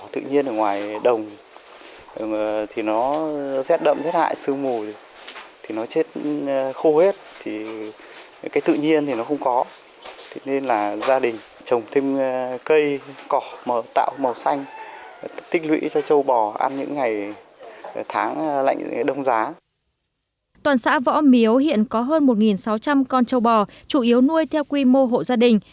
toàn xã võ miếu hiện có hơn một sáu trăm linh con trâu bò chủ yếu nuôi theo quy mô hộ gia đình